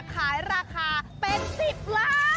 ขายราคาเป็น๑๐ล้าน